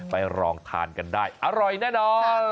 ไปลองทานกันได้อร่อยแน่นอน